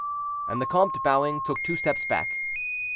And the comte, bowing, took two steps back.